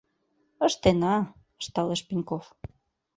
— Ыштена, — ышталеш Пеньков.